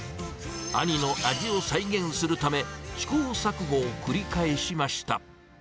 兄の味を再現するため、試行錯誤を繰り返しました。